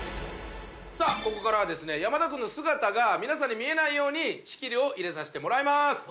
さあここからは山田君の姿が皆さんに見えないように仕切りを入れさせてもらいまーす。